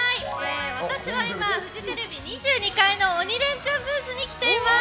私は今フジテレビ２２階の鬼レンチャンブースに来ています。